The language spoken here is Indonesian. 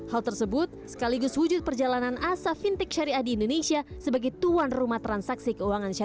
hal tersebut sekaligus wujud perjalanan asa fintech syariah di indonesia sebagai tuan rumah transaksi keuangan sri